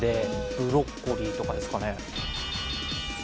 ブロッコリーとかですかね。